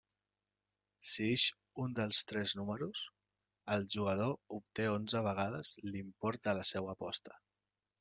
Si ix un dels tres números, el jugador obté onze vegades l'import de la seua aposta.